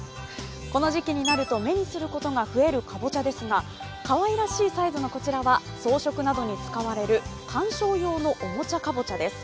この時期になると目にすることが増えるカボチャですがかわいらしいサイズのこちらは装飾などに使われる観賞用のおもちゃカボチャです。